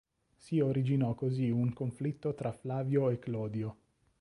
Si originò così un conflitto tra Flavio e Clodio.